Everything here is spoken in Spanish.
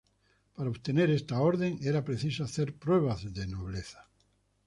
Para obtener esta orden era preciso hacer pruebas de nobleza.